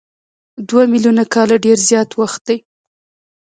دوه میلیونه کاله ډېر زیات وخت دی.